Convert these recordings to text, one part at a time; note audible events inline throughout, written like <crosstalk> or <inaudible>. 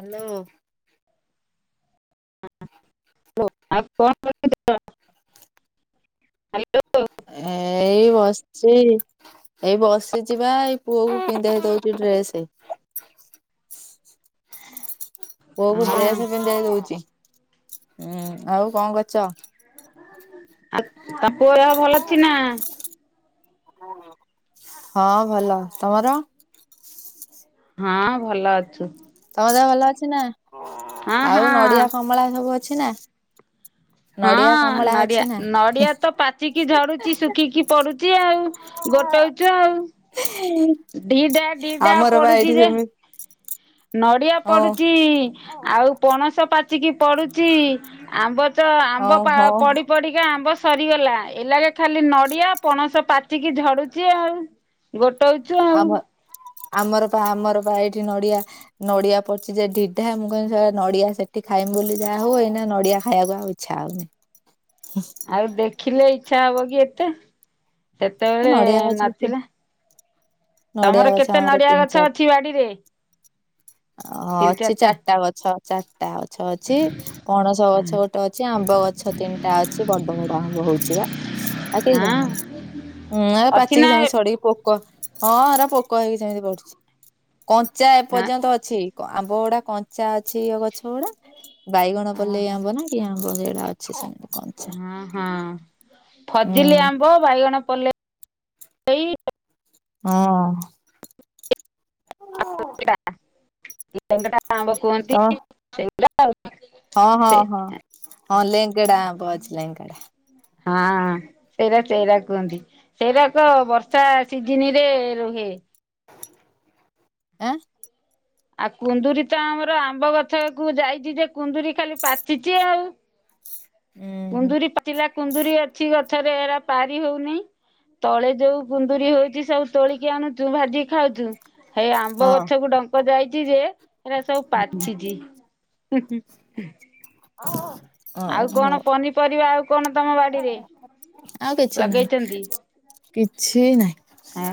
Hello. <unintelligible> ଆଉ କଣ। <unintelligible> ଏଇ ବସିଛି। ଏଇ ବସିଚିବା ଏଇ ପୁଅକୁ ପିନ୍ଧେଇ ଦଉଛି ଡ୍ରେସ। ପୁଅ କୁ ହଁ ଡ୍ରେସ ପିନ୍ଧେଇ ଦୋଉଛି। ହୁଁ ଆଉ କଣ କରୁଛ? ଆଉ ତା ପୁଅ ଦେହ ଭଲ ଅଛି ନା? ହଁ ଭଲ। ତମର? ହଁ ଭଲ ଅଛୁ। ତମ ଦେ ଭଲ ଅଛି ନା? ହଁ ଆଉ ହଁ। ନଡିଆ କମଳା ସବୁ ଅଛି ନା? ହଁ ନଡିଆ କମଳା ଅଛି ନଡିଆ ନା? ନଡିଆ ତ ପାଚିକି ଝରୁଛି ଶୁଖିକି ପଡୁଛି ଆଉ। ଗୋଟଉଛୁ ଆଉ। <unintelligible> ଦିଟା ଦିଟା ଆମର ବା ପଡୁଛି ଏଇଠି ଯେ ସେମିତି ନଡିଆ ହଁ ପଡୁଛି ଆଉ ପଣସ ପାଚିକି ପଡୁଛି ଆମ୍ବ ତ ହଁ ଆମ୍ବ ହଁ ପଡି ପଡିକା ଆମ୍ବ ସ ସରିଗଲା। ଏ ଲଗେ ଖାଲି ନଡିଆ ପଣସ ପାଚିକି ଝଡୁଛି ଆଉ। ଗୋ ରହୁଛୁ। <unintelligible> ଆମ ଆମର ପା ଆମର ପା ଏଇଠି ନଡିଆ ନଡିଆ ପଚି ଯାଇ ଢିଢା ମୁଁ କହି ସେ ନଡିଆ ସେଠି ଖାଇମି ବୋଲି ଯାହା ହୁଏ ନା ନଡିଆ ଖାଇବାକୁ ଛାଉନି। ଆଉ ଦେଖିଲେ ଇଚ୍ଛା ହବ କି ଏତେ ସେତେବେଳେ ନଡିଆ ଗଛ ନଥିଲା। ନଡିଆ ତମର ଗଛ କେତେ ନଡିଆ ଗଛ ଅଛି ବାଡିରେ? ଓ ଅଛି ଚାରିଟା ଗଛ ଚାରିଟା ଗଛ ଗଛ ଅଛି ପଣସ ଗଛ ଗୋଟେ ଅଛି ଆମ୍ବ ଗଛ ତିନିଟା ଅଛି ବଡ ବଡ ଆମ୍ବ ହଉଛି ବା। ଆ ହଁ କେଜାଣି। ହୁଁ ଅଛି ପାଚିକି ନା ସେମିତି ଛଡିକି ପୋକ ହଁ ଏରା ପୋକ ହେଇକି ସେମିତି ବଢୁଛି। କଞ୍ଚା ହଁ ଏପର୍ଯ୍ୟନ୍ତ ଅଛି ଆମ୍ବ ଗୁଡା କଞ୍ଚା ଅଛି ଗଛ ଗୁଡା। ବାଇଗଣ ପଲେଇ ଓହୋ ଆମ୍ବ ନା କି ଆମ୍ବ ସେଇଡାଟା ଅଛି ସେ। ହଁ ହଁ ଫଜିଲି ହୁଁ ଆମ୍ବ ବାଇଗଣ ପ ହଁ। ହଁ। <unintelligible> ଆମ୍ବ ତ କୁହନ୍ତି। ସେଇ ଗୁଡା ହଁ ହଁ ହଁ ହଁ ଲେଙ୍ଗେଡା ଆମ୍ବ ଅଛି ଲେଙ୍ଗେଡା <unintelligible> ହଁ ସେଇଟା ସେଇଟା କୁହନ୍ତି। ସେଇଟାକ ବର୍ଷା ସିଜିନ ରେ ରୁହେ। ଆଁ। ଆଉ କୁନ୍ଦୁରିୀ ତ ଆମର ଆମ୍ବ ଗଛ କ ଯାଇଛି ଯେ କୁନ୍ଦୁରି ଖାଲି ପାଚିଛି ଆଉ। ଉଁ ହୁଁ କୁନ୍ଦୁରରି ପାଚିଲା କୁନ୍ଦୁରୀ ଅଛି ଗ ପଥରେ ଏରା ପାରି ହଉନି ତଳେ ଯୋଉ କୁନ୍ଦୁରି ହଉଛି ସବୁ ତୋଳିକି ଆଣୁଛୁ ଭାଜିି ଖାଉଛୁ ହେଇ ଆମ୍ବ ହଁ। ଗଛ କୁ ଡଙ୍କ ଯାଇଛି ଯେ ସେରା ସବୁ ପାଚଛି। ହ। ଆଉ କଣ ପନିପରିବା ଆଉ କଣ ତମ ବାଡିରେ? ଆଉ କିଛି ଲଗେଇଛନ୍ତି? ନାହିଁ କିଛି ନାହିଁ। ହଁ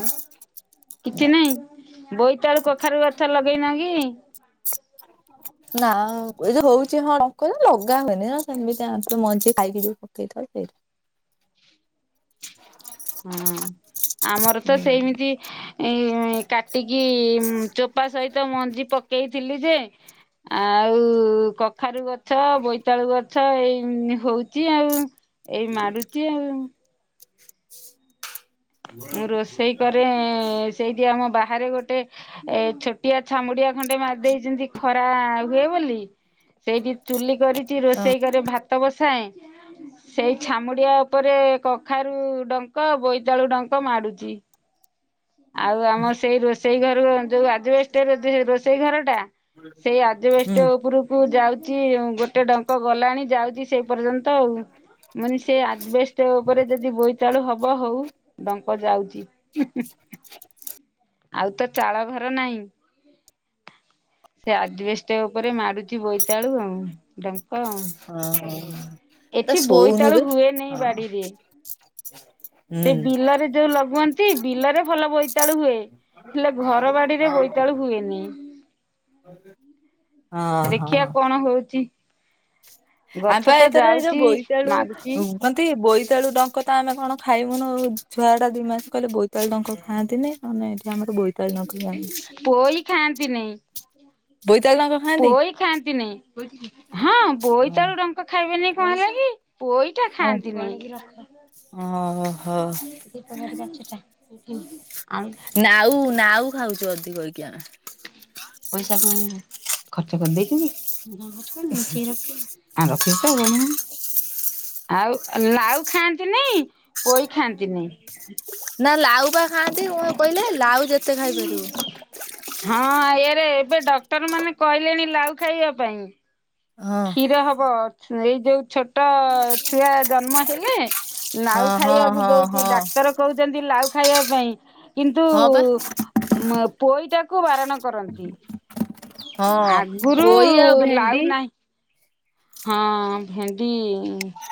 କିଛି ନହିଁ ବୋଇତାଳୁ କଖାରୁ ଗଛ ଲଗେଇନା କି? <inaudible> ନା ଏ ଯଉ ହଉଛି ହଁ କ ଲଗା ହୁଏନି ନା ସେମିତି ଲଗା ହୋଇନି ଖାଇକି ଯଉ <unintelligible> <inaudible> ହଁ ଆମର ତ ହୁଁ ସେମିତି ଏ କାଟିକି ଚୋପା ସହିତ ମଞ୍ଜି ପକେଇଥିଲି ଯେ ଆଉ କ କଖାରୁ ଗଛ, ବୋଇତାଳୁ ଗଛ ଏଇ ହଉଛି ଆଉ, ଏଇ ମାରୁ <unintelligible> ମୁଁ ରୋଷେଇ କରେ <unintelligible> ସେଇଠି ଆମ ବାହାରେ ଗୋଟେ ଏ ଛୋଟିଆ ଛାମୁଡିଆ ଖଣ୍ଡେ ମାରିଦେଇଛନ୍ତି, ଯେମିତି ଖରା ବର୍ଷା ହୁଏ ବୋଲି ସେଇଠି ଚୁଲି କରିଛି ଅ ରୋଷେଇ କରି ଭାତ ବସାଏ। ସେଇ ଛାମୁଡିଆ ଉପରେ କଖାରୁ ଡଙ୍କ ବୋଇତାଳୁ ଡଙ୍କ ମାଡୁଛି। ଆଉ ଆମ ସେଇ ରୋଷେଇ ଘର ଯୋଉ ଅଜବେଷ୍ଟ ରୋଷେଇ ଘର ଟା ସେଇ ହୁଁ ଆଜବେଷ୍ଟ ଉପରକୁ ଯାଉଛି ଗୋଟେ ଡଙ୍କ ଗଲାଣି ଯାଉଛି ସେ ପର୍ଯ୍ୟନ୍ତ ଆଉ ମାନେ ସେ ଆଦବସ୍ତ ଉପରେ ଯଦି ବୋଇତାଳୁ ହବ ହଉ। ଡଙ୍କ ଯାଉଛି ହୁଁ ହୁଁ। ଆଉ ତ ଚାଳ ଘର ନାହିଁ। ସେ ଆଜିବଷ୍ଟ ଉପରେ ମାଡୁଛି ବୋଇତାଳୁ ଆଉ ଡଙ୍କ ଆଉ। ହଁ। ଏଟା ଏଠି ବୋଇ ଶୋଉନୁ ତାଳୁ ବେ ହୁଏନି ହଁ ବାଡିରେ। ହୁଁ ସେ ବିଲରେ ଯୋଉ ଲଗଅନ୍ତି ବିଲରେ ଭଲ ବ ବୋଇତାଳୁ ହୁଏ। ହେଲେ ଘର ବାଡିରେ ବୋଇତାଳୁ ହୁଏନି। ହଁ ହଁ ଦେଖିବା କଣ ହଉଛି। ଆମ ଗଛ ପା ତ ଏଥର ଏଇ ଯୋଉ ଯାଉଛି ବୋଇତାଳୁ। ମାରୁଚି କନ୍ତି ବୋଇତାଳୁ ଡଙ୍କ ତ ଆମେ କଣ ଖାଇବୁନୁ ଛୁଆ ଟା ଦି ମାସ କହଲେ ବୋଇତାଳୁ ଡଙ୍କ ଖାଆନ୍ତିନି। ଆମେ ଏଠି ଆମର ବୋଇତାଆଳୁ ନଗେଇବା। ପୋଇ ଖାଆନ୍ତି ନି। ବୋଇତ ଆଳୁ ତାଙ୍କ ପୋଇ ଖାଆନ୍ତି ନି ହଁ ହଁ। ବୋଇତ ଆଳୁ ଡଙ୍କ ଖାଇବେନି କଣ ହେଲାକି ପୋଇ ଟା ଖାଆନ୍ତି। ଧୂପ ଓହୋ କାଠି କାଚ ଟା <unintelligible> ନାଉ ନାଉ ଖାଉଛୁ ଅଧିକ ହେଇକି ଆନ୍। ପଇସା କଣ ଖର୍ଚ୍ଚ କରିଦେଇଛୁ କି? ମୁ କଣ ଖର୍ଚ୍ଚ କରିନି ଲୁଚେଇକି ରଖିନି। ଆଉ ରଖିଛି ତ ଆଉ କଣ ମ। ଆଉ ଲାଉ ଖାଆନ୍ତି ନାଇ ପୋଇ ଖାଆନ୍ତିନି। ନା ଲାଉ ପା ଖାଆନ୍ତି କ କହିଲେ ଲାଉ ଯେତେ ଖାଇପାରିବ। ହଁ ଇଏରେ ଏବେ ଡକ୍ଟର ମାନେ କହିଲେଣି ଲାଉ ଖାଇବା ପାଇଁ। ହଁ କ୍ଷୀର ହବ ଏଇ ଯୋଉ ଛୋଟ ଛୁଆ ଜନ୍ମ ହେଲେ। ହଁ ଲାଉ ହଁ ଖାଇବାକୁ ହଁ ଦଉଛି ହଁ ଡାକ୍ତର କହୁଛନ୍ତି ଲାଉ ଖାଇବା ପାଇଁ କିନ୍ତୁ ହଁ ବା ମ ପୋଇଟାକୁ ବାରଣ କରନ୍ତି। ହଁ ଆଗରୁ ପୋଇ ଆଉ ଭେଣ୍ଡି ଲାଉ ନାହିଁ ହଁ ଭେଣ୍ଡି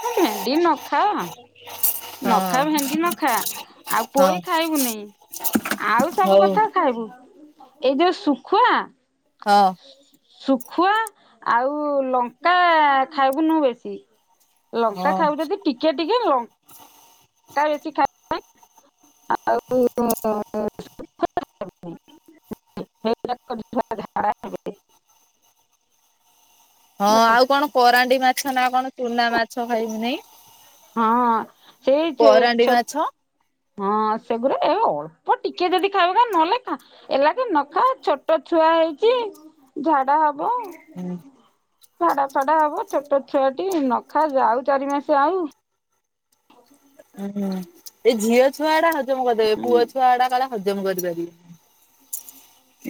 ଭେଣ୍ଡି ନ ଖାଅ। <unintelligible> ନଖା ଭେଣ୍ଡି ନଖା ଆଉ ହଁ ପୋଇ ଖାଇବୁନି ଆଉ ସବୁ ହଉ କଥା ଖାଇବୁ ଏଇ ଯୋଉ ଶୁଖୁଆ। ହଁ। ଶୁଖୁଆ ଆଉ ଲଙ୍କା ଖାଇବୁ ନୁ ବେଶୀ। ଲଙ୍କା ହଁ ଖାଇବୁ ଯଦି ଟିକେ ଟିକେ ଲ କା ବେଶୀ ଖାଇବା ପାଇଁ ଆଉ <unintelligible> <unintelligible> ଧାର <inaudible> ହଁ ଆଉ କଣ କରାଣ୍ଡୀ ମାଛ ନା କଣ ଚୁନା ମାଛ ଖାଇବୁନାଇଁ। ହଁ ସେଇ ଚେ କରାଣ୍ଡି ଛୋ ମାଛ ହଁ ସେଗୁଡା ଏ ଅଳ୍ପ ଟିକେ ଯଦି ଖାଇବ ଖାଇବ ନହେଲେ ନାଇ ଖା ଏଲାକ ନ ଖାଅ ଛୋଟ ଛୁଆ ହେଇଛି ଝାଡା ହବ। ହୁଁ। ଝାଡ଼ା ଫାଡା ହବ ଛୋଟ ଛୁଆ ଟି ନଖାଅ ଯାଉ ଚାରି ମାସେ ଆଉ। ହ ହୁଁ ଏ ଝିଅ ଛୁଆ ଆଡା ହଜମ କରିଦେବେ ହୁଁ। ପୁଅ ଛୁଆଡା କାଳେ ହଜମ କରିପାରି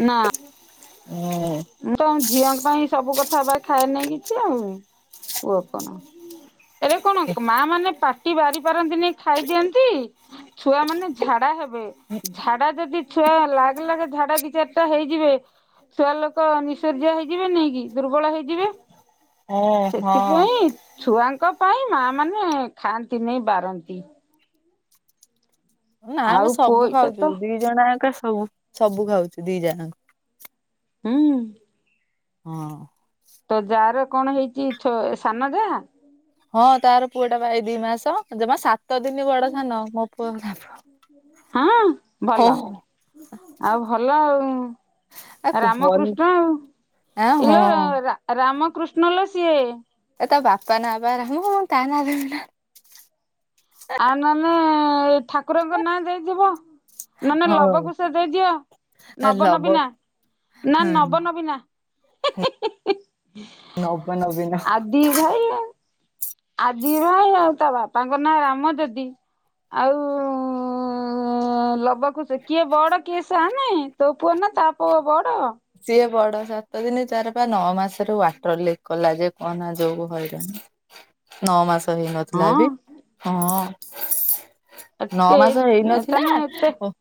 ନା। ଉଁ। ମୁଁ ତ ଝିଅଙ୍କ ପାଇଁ ସବୁ କଥାବା ଖାଏ ନାଇ କିଛି ଆଉ ପୁଅ କଣ? ଏରେ କଣ ମା ମାନେ ପାଟି ବାରି ପାରନ୍ତିନି ଖାଇଦିଅନ୍ତି। ଛୁଆ ମାନେ ଝାଡା ହେବେ ଝାଡା ଯଦି ଛୁଆ ଲାଗ ଲାଗେ ଝାଡ଼ା ଦି ଚାରିଟା ହେଇଯିବେ ଝୁଆ ଲୋକ ନିସର୍ଯ୍ୟା ହେଇଯିବେନି କି ଦୁର୍ବଳ ହେଇଯିବେ। ଓ ହଁ ସେଥିପାଇଁ ଛୁଆଙ୍କ ପାଇଁ ମା ମାନେ ଖାଆନ୍ତିନେଇ ବାରନ୍ତି। ନା ଆଉ ଆମେ ପୁଅ ସବୁ ଏଇଟା ଖାଉଚୁ ତ ଦି ଜଣ ଆକେ ସବୁ ସବୁ ଖାଉଛୁ ଦି ଯା ଆଙ୍କ। ହୁଁ। ହଁ। ତୋ ଯା ର କଣ ହେଇଚି ଛ ସାନ ଯା? ହଁ ତାର ପୁଅଟା ପା ଏ ଦି ମାସ ଜମା ସାତ ଦିନି ବଡ ସାନ ମୋ ପୁଅ <unintelligible> ହଁ ହଁ ଭଲ ଆଉ ଭଲ ଆଉ। ଆକୁ ଭଲ ରାମକୃଷ୍ଣ ଆଉ ଆ ହଁ ଇଲୋ ରାମକୃଷ୍ଣ ଲୋ ସିଏ। ଏ ତା ବାପା ନା ବା <unintelligible> ତା ନା <unintelligible> ଆଉ ନହେଲେ ଠାକୁରଙ୍କ ନାଁ ଦେଇଥିବ। ନନେ ଲବ ହଉ କୁଶ ଦେଇଦିଅ, ନବ ଲବ ନବୀନା ନା ହଁ ନବ ନବୀନା। ନବ ନବୀନ। ଦି ଭାଇ ଆ। ଆ ଦି ଭାଇ ଆଉ ତା ବାପାଙ୍କ ନାଁ ରାମ ଯଦି ଆଉ ଉଁ ଲବ କୁଶ କିଏ ବଡ କିଏ ସାନେ ତୋ ପୁଅ ନା ତା ପୁଅ ବଡ? ସିଏ ବଡ ସାତ ଦିନ ତାର ପା ନଅ ମାସ ରୁ ୱାଟର ଲିକ କଲା ଯେ କହନା ଯୋଉ ହଇରାଣ। ନଅ ମାସ ହେଇନଥିଲା ହଁ ଟି ହଁ। ନଅ ଏତେ ମାସ ହେଇନଥିଲା ତାନେ ଏତେ ଓ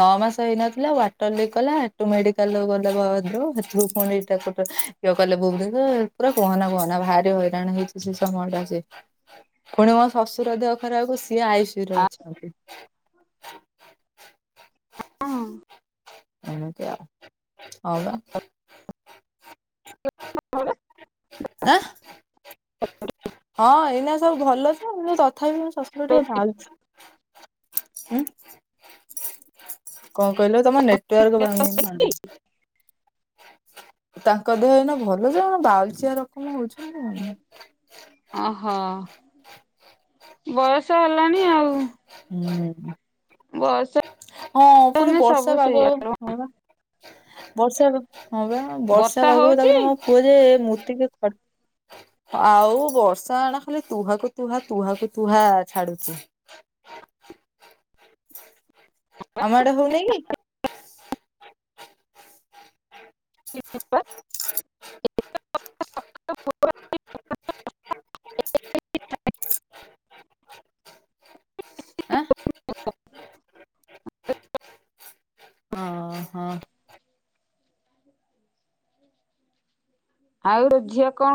ନଅ ମାସ ହେଇନଥିଲା ୱାଟର ଲିକ କଲା ହେଟୁ ମେଡିକାଲକୁ ଗ <unintelligible> କଲେ ଭୁବନେଶ୍ୱର ପୁରା କୁହନା କୁହନା ଭାରି ହଇରାଣ ହେଇ ସେ ସମୟଟା ସେ ପୁଣି ମୋ ଶ୍ୱଶୁର ଦେହ ଖରାକୁ ସିଏ ଆଇ ସି ୟୁ ରେ ଅଛନ୍ତି। ହଁ। ଏମିତି ଆଉ। ହଁ ବା। ଆଁ ହଁ ଏଇନା ସବୁ ଭଲତ କିନୁ ତଥାପି ମୋ ଶଶୁର ଟିକେ <unintelligible> <unintelligible> କଁ କହିଲ ତମ ନେଟୱାର୍କ ପାଉନି ନା କଣ। ତାଙ୍କ ଦେହ ଏଇନା ଭଲ ଯେ ବାଉଲଚିଆ ରକମ ହଉଛନ୍ତି। ଅ ହ ବୟସ ହେଲାଣି ଆଉ। ହୁଁ। ବୟସ ହଁ ପୁଣି ହେଲାଣି ସବୁ ବର୍ଷା ପାଗ ଆ ସେଇଆ ହଁ ବା ବର୍ଷା ହଁ ବା। ବର୍ଷା ପାଗକୁ ତାପରେ ମୋ ପୁଅ ଯେ ମୂତିକି ଖ ଆଉ ବର୍ଷା ଏଣା ଖାଲି ତୁହାକୁ ତୁହା ତୁହାକୁ ତୁହା ଛାଡୁଚି। ଆମ ଆଡେ ହଉନେଇ କି? <unintelligible> ଆଁ? <unintelligible> ଅ ହ। ଆଉ ତୋ ଝିଅ କଁ